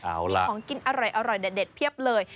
มีของกินอร่อยเด็ดเพียบเลย